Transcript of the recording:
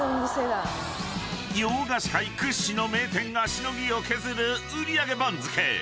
［洋菓子界屈指の名店がしのぎを削る売上番付］